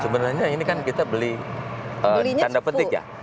sebenarnya ini kan kita beli tanda petik ya